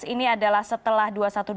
ini adalah setelah dua ratus dua belas